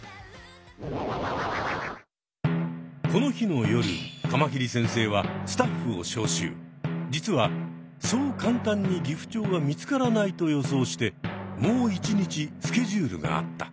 この日の夜カマキリ先生は実はそう簡単にギフチョウは見つからないと予想してもう一日スケジュールがあった。